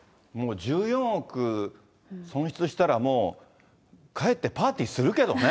１４億損失したら、もうかえってパーティーするけどね。